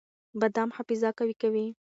بادام حافظه قوي کوي.